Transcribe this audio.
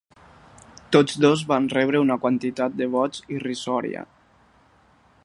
Tots dos van rebre una quantitat de vots irrisòria.